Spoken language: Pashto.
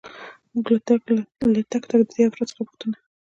موږ له تک تک دې افرادو څخه پوښتو.